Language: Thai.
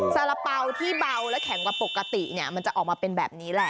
สาระเป๋าที่เบาและแข็งกว่าปกติเนี่ยมันจะออกมาเป็นแบบนี้แหละ